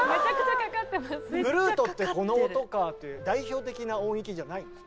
「フルートってこの音か」という代表的な音域じゃないんです。